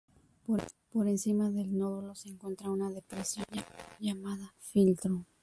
Por encima del nódulo se encuentra una depresión llamada "filtro".